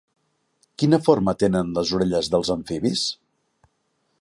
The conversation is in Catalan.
Quina forma tenen les orelles dels amfibis?